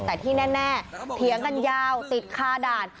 แต่ที่แน่เถียงกันยาวติดคาด่าน